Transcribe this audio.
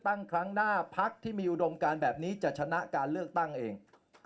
ครั้งหน้าพักที่มีอุดมการแบบนี้จะชนะการเลือกตั้งเอง